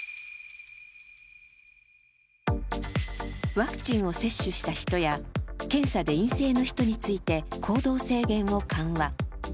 ワクチンを接種した人や検査で陰性の人について行動制限を緩和。